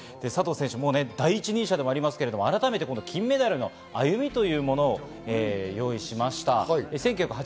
第一人者でもありますけれども、改めて金メダルの歩みというものを用意しました。